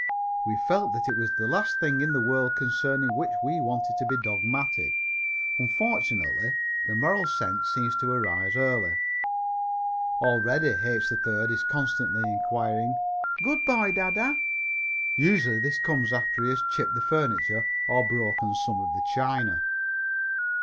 We felt that it was the last thing in the world concerning which we wanted to be dogmatic. Unfortunately, the moral sense seems to arise early. Already H. 3rd is constantly inquiring "Good boy, dada?" Usually this comes after he has chipped the furniture or broken some of the china.